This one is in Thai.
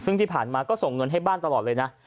ซึ่งที่ผ่านมาก็ส่งเงินให้บ้านตลอดเลยนะ